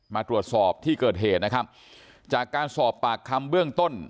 มาตรวจสอบที่เกิดเหตุนะครับจากการสอบปากคำเบื้องต้น